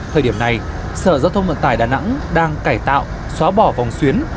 thời điểm này sở giao thông vận tải đà nẵng đang cải tạo xóa bỏ vòng xuyến